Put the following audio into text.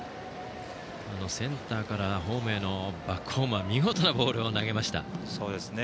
センターからホームへのバックホームは見事なボールを投げました。